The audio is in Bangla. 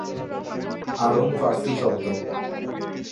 আড়ং ফারসি শব্দ।